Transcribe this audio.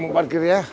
kamu parkir ya